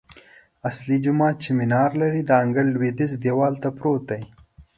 اصلي جومات چې منار لري، د انګړ لویدیځ دیوال ته پروت دی.